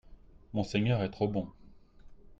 Monseigneur est trop bon